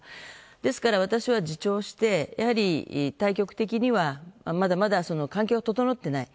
ですから、私は自重して、やはり対極的にはまだまだ環境が整っていない。